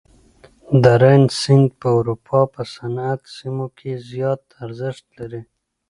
د راین سیند په اروپا په صنعتي سیمو کې زیات ارزښت لري.